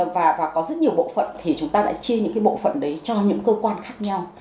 và có rất nhiều bộ phận thì chúng ta lại chia những cái bộ phận đấy cho những cơ quan khác nhau